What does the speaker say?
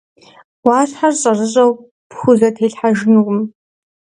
Ӏуащхьэр щӀэрыщӀэу пхузэтелъхьэжынукъым.